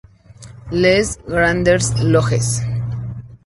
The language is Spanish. Les Grandes-Loges